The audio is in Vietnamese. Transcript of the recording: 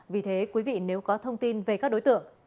vì thế quý vị nếu có thông tin về các đối tượng